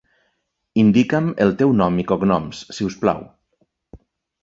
Indica'm el teu nom i cognoms, si us plau.